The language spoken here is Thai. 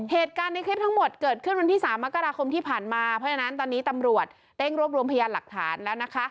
เหตุการณ์ในคลิปทั้งหมดเกิดขึ้นวันที่๓มกราคมที่ผ่านมาเพราะฉะนั้นตอนนี้ตำรวจเร่งรวบรวมพยานหลักฐานแล้วนะคะ